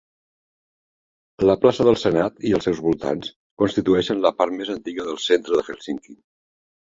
La Plaça del Senat i els seus voltants constitueixen la part més antiga del centre de Helsinki.